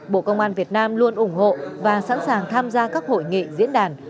bộ công an việt nam luôn ủng hộ và sẵn sàng tham gia các hội nghị diễn đàn